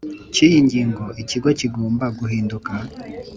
cy iyi ngingo Ikigo kigomba guhinduka